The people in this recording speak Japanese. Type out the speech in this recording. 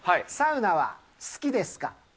サウナは好きですか？